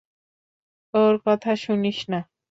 ওর কথা শুনিস না।